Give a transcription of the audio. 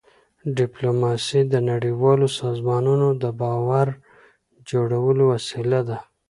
ډيپلوماسي د نړیوالو سازمانونو د باور جوړولو وسیله ده.